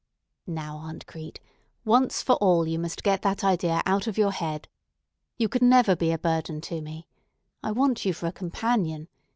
"Now, Aunt Crete, once for all you must get that idea out of your head. You could never be a burden to me. I want you for a companion.